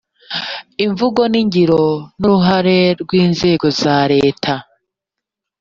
imvugo n’ingiro n’uruhare rw’inzego za leta,